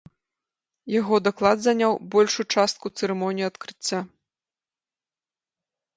Яго даклад заняў большую частку цырымоніі адкрыцця.